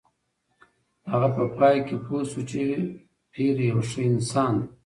هغه په پای کې پوه شوه چې پییر یو ښه انسان دی.